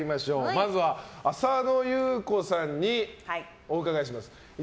まずは、浅野ゆう子さんにお伺いします。